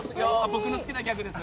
僕の好きなギャグです。